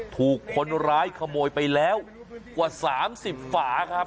ถูกคนร้ายขโมยไปแล้วกว่า๓๐ฝาครับ